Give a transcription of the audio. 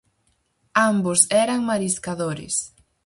Ambos eran mariscadores.